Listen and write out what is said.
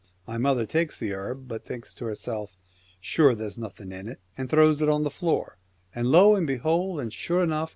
My mother takes the herb, but thinks to herself, " Sure there's nothing in it," and throws it on the floor, and lo and behold, and sure enough